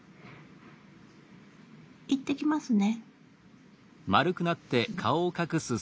行ってきますね。